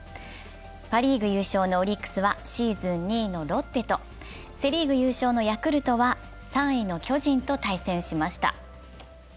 パ・リーグ優勝のオリックスはシーズン２位のロッテとセ・リーグ優勝のヤクルトは３位の巨人と対戦しました。